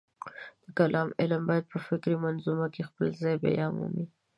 د کلام علم باید په فکري منظومه کې خپل ځای بیامومي.